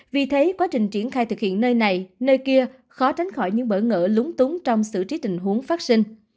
vì thế quá trình triển khai thực hiện nơi này nơi kia khó tránh khỏi những bỡ ngỡ lúng túng trong xử trí tình huống phát sinh